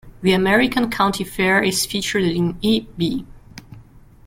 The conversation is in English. The American county fair is featured in E. B.